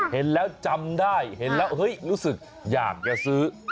เห็นแล้วจำได้เห็นแล้วเฮ้ยรู้สึกอยากจะซื้อ